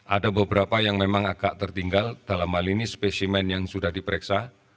ada beberapa yang memang agak tertinggal dalam hal ini spesimen yang sudah diperiksa